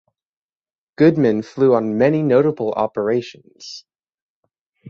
Goodman flew on many notable operations.